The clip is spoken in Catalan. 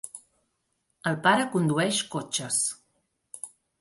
El pare condueix cotxes.